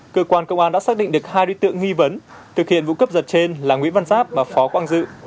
cơ quan công an đã xác định được hai đối tượng nghi vấn thực hiện vụ cướp giật trên là nguyễn văn giáp và phó quang dự